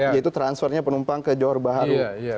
yaitu transfernya penumpang ke johor baharu